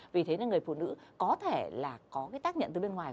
vì thế nên người phụ nữ có thể là có cái tác nhận từ bên ngoài